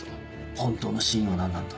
本当の死因は何なんだ？